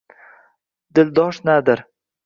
Dildosh nadir